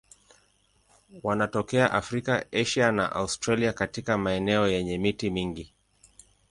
Wanatokea Afrika, Asia na Australia katika maeneo yenye miti mingi.